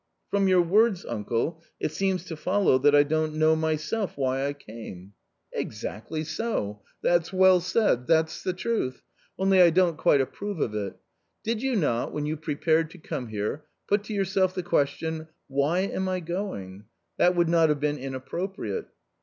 " From your words, uncle, it seems to follow that I don't know myself why I came." A COMMON STORY 41 " Exactly so ; that's well said ; that's the truth ; only I don't quite approve of it Did you not, when you prepared to come here, put to yourself the question : why am I going ? That would not have been inappropriate."